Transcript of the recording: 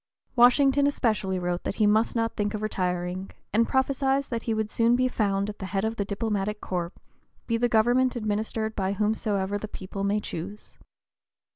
Washington especially wrote that he must not think of retiring, and prophesied that he would soon be "found at the head of the diplomatic corps, be the government administered by whomsoever the people may choose."